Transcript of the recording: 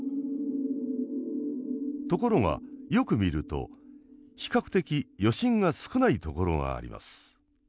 ところがよく見ると比較的余震が少ない所があります。